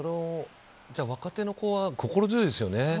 若手の子は心強いですよね。